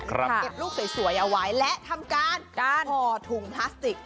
เก็บลูกสวยเอาไว้และทำการห่อถุงพลาสติก